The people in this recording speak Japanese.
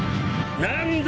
何だ？